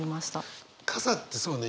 傘ってそうね